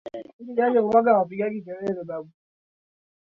Rais Suluhu ameongoza kikao cha baraza la mawaziri ikulu Dar es Salaam